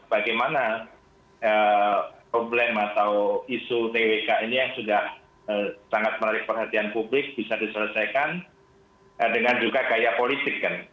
bagaimana problem atau isu twk ini yang sudah sangat menarik perhatian publik bisa diselesaikan dengan juga gaya politik kan